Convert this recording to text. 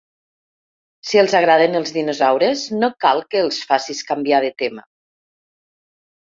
Si els agraden els dinosaures no cal que els facis canviar de tema.